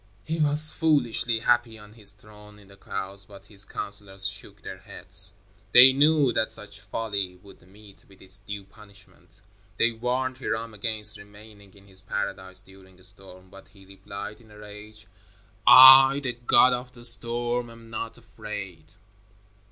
He was foolishly happy on his throne in the clouds, but his counselors shook their heads. They knew that such folly would meet with its due punishment. They warned Hiram against remaining in his paradise during a storm, but he replied, in a rage: "I, the God of the storm, am not afraid."